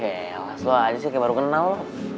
eh alas lo aja sih kayak baru kenal lo